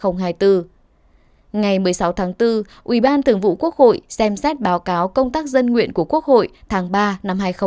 ngày một mươi sáu tháng bốn ủy ban thường vụ quốc hội xem xét báo cáo công tác dân nguyện của quốc hội tháng ba năm hai nghìn hai mươi